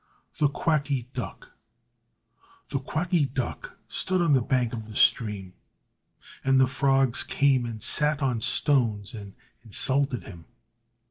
THE QUACKY DUCK The Quacky Duck stood on the bank of the stream. And the frogs came and sat on stones and insulted him.